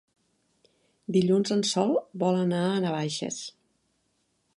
Dilluns en Sol vol anar a Navaixes.